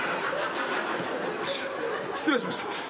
失礼しました。